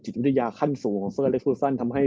วิทยาขั้นสูงของเซอร์เล็กซูซันทำให้